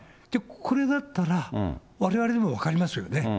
これだったら、われわれでも分かりますよね。